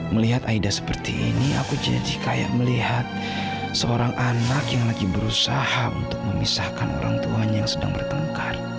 melihat aida seperti ini aku jadi kayak melihat seorang anak yang lagi berusaha untuk memisahkan orang tuanya yang sedang bertengkar